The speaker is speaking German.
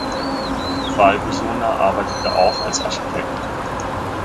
Falbesoner arbeitete auch als Architekt.